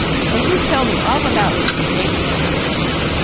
"Now you tell me all about this engagement."